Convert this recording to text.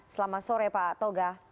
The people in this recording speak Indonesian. selamat sore pak toga